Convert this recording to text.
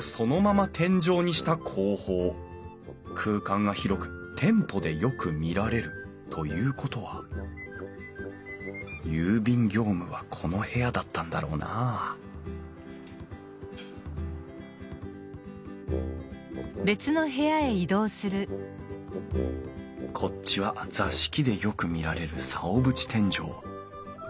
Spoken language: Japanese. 空間が広く店舗でよく見られる。ということは郵便業務はこの部屋だったんだろうなあこっちは座敷でよく見られる竿縁天井。